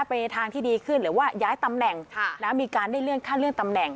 ไปทางที่ดีขึ้นหรือว่าย้ายตำแหน่งมีการได้เลื่อนขั้นเลื่อนตำแหน่ง